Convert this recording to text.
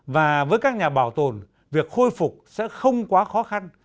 và với các nhà bảo tồn việc khôi phục sẽ không quá khó khăn